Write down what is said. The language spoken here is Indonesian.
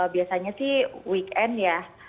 biasanya sih weekend ya